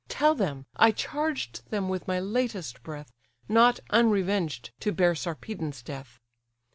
Tell them, I charged them with my latest breath Not unrevenged to bear Sarpedon's death.